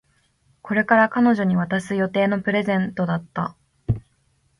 これから彼女に渡す予定のプレゼントだった